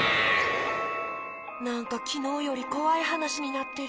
なんかきのうよりこわいはなしになってる。